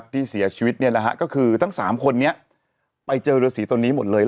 ที่เสียชีวิตก็คือทั้ง๓คนนี้ไปเจอเรือสีตัวนี้หมดเลย